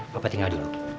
papa tinggal dulu